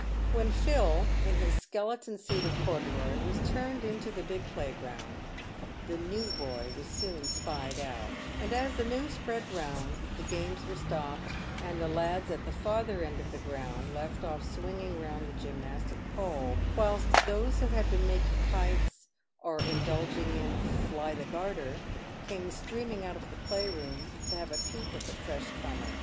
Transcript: "When Phil, in his skeleton suit of corduroy, was turned into the big playground, the " new boy" was soon spied out ; and as the news spread round, the games were stopped, and the lads at the farther end of the ground left off swinging round the gymnastic pole, whilst those who had been making kites, or indulging in " fly the garter," came streaming out of the "playroom" to have a peep at the fresh comer.